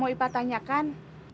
mau ipah tanyakan